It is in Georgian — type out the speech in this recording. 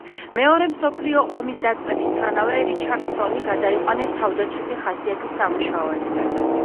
მეორე მსოფლიო ომის დაწყებისთანავე რიჩარდსონი გადაიყვანეს თავდაცვითი ხასიათის სამუშაოებზე.